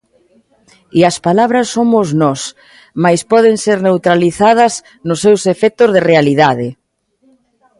E as palabras somos nós, mais poden ser neutralizadas nos seus efectos de realidade.